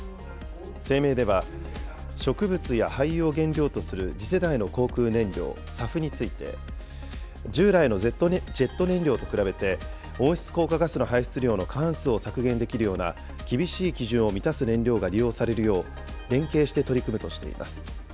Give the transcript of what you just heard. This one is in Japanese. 声明では、植物や廃油を原料とする次世代の航空燃料、ＳＡＦについて、従来のジェット燃料と比べて温室効果ガスの排出量の過半数を削減できるような厳しい基準を満たす燃料が利用されるよう連携して取り組むとしています。